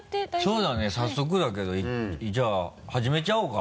そうだね早速だけどじゃあ始めちゃおうか。